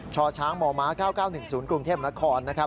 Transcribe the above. ช่อช้างหมอม้า๙๙๑๐กรุงเทพนคร